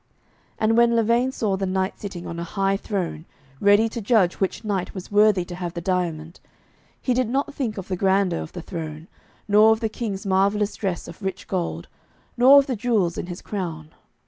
And when Lavaine saw the King sitting on a high throne, ready to judge which knight was worthy to have the diamond, he did not think of the grandeur of the throne, nor of the King's marvellous dress of rich gold, nor of the jewels in his crown.